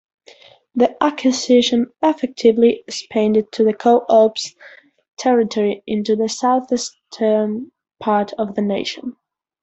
The acquisition effectively expanded the co-op's territory into the Southeastern part of the nation.